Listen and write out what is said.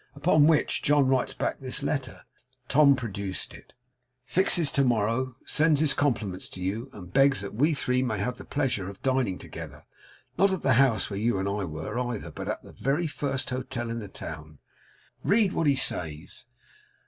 Upon which John writes back this letter' Tom produced it 'fixes to morrow; sends his compliments to you; and begs that we three may have the pleasure of dining together; not at the house where you and I were, either; but at the very first hotel in the town. Read what he says.